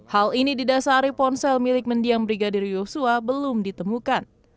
hal ini di dasar ponsel milik mendiang brigadir yosua belum ditemukan